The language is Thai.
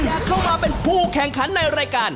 อยากเข้ามาเป็นผู้แข่งขันในรายการ